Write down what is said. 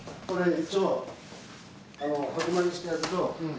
これ。